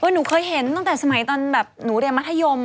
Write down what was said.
หนูเคยเห็นตั้งแต่สมัยตอนแบบหนูเรียนมัธยม